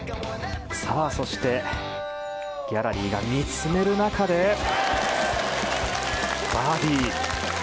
ギャラリーが見つめる中でバーディー！